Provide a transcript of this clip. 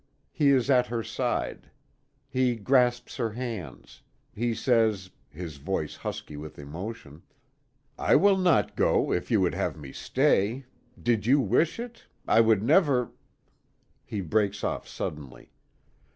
He is at her side. He grasps her hands. He says his voice husky with emotion: "I will not go if you would have me stay Did you wish it, I would never " He breaks off suddenly.